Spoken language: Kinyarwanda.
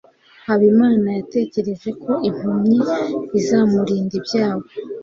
habimana yatekereje ko impumyi izamurinda ibyago